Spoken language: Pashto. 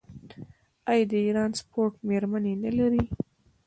آیا د ایران سپورټ میرمنې نلري؟